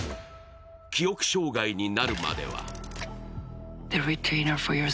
記憶障害になるまでは。